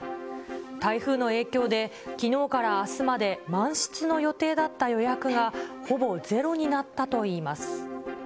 台風の影響で、きのうからあすまで満室の予定だった予約がほぼゼロになったといいます。